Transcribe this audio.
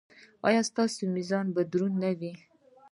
ایا ستاسو میزان به دروند نه وي؟